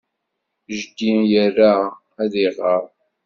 Jeddi ira ad iɣer.